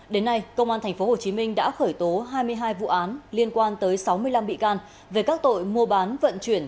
đến nay công an tp hcm đã khởi tố hai mươi hai vụ án liên quan tới sáu mươi năm bị can về các tội mua bán vận chuyển